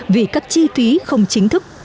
vì các chi phí không chính thức